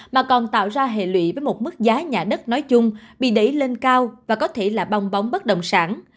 mà còn tạo ra hệ lụy với một mức giá nhà đất nói chung bị đẩy lên cao và có thể là bong bóng bất động sản